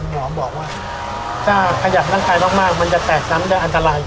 หมอบอกว่าถ้าขยับร่างกายมากมันจะแตกซ้ำได้อันตราย